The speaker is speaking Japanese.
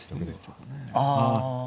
ああ。